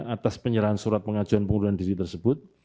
atas penyerahan surat pengajuan pengunduran diri tersebut